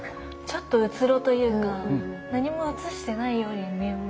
ちょっとうつろというか何も映してないように見えますね。